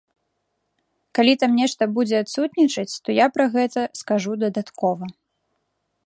Калі там нешта будзе адсутнічаць, то я пра гэта скажу дадаткова.